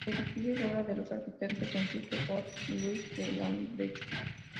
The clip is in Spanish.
El edificio es obra de los arquitectos Enrique Fort y Luis de Landecho.